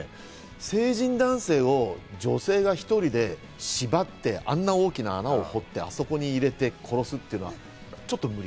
成人男性を女性が１人で縛ってあんな大きな穴を掘って、あそこに入れて殺すっていうのはちょっと無理。